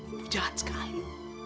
ibu jahat sekali